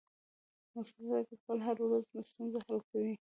مثبت فکر کول هره ستونزه حل کوي.